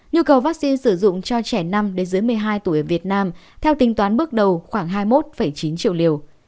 nhu cầu vaccine sử dụng cho trẻ năm đến dưới một mươi hai tuổi ở việt nam theo tính toán bước đầu khoảng hai mươi một chín triệu liều